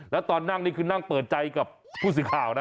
แล้วตอนนั่งนี่คือนั่งเปิดใจกับผู้สื่อข่าวนะ